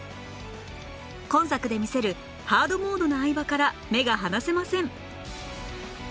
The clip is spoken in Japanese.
今作で見せるハードモードな相葉から目が離せません